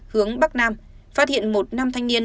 hướng bắc nam phát hiện một nam thanh niên